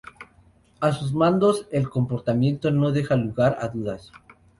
A sus mandos, el comportamiento no deja lugar a dudas.